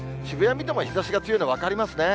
見ても日ざしが強いの分かりますね。